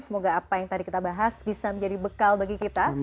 semoga apa yang tadi kita bahas bisa menjadi bekal bagi kita